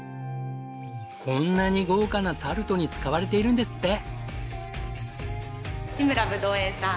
こんなに豪華なタルトに使われているんですって。